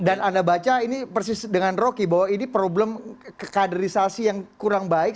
dan anda baca ini persis dengan rocky bahwa ini problem kaderisasi yang kurang baik